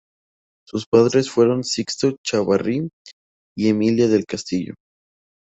Sus padres fueron Sixto Chávarri y Emilia del Castillo.